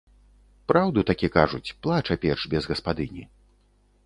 Праўду такі кажуць, плача печ без гаспадыні.